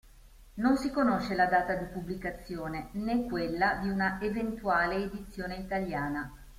Non si conosce la data di pubblicazione né quella di una eventuale edizione italiana.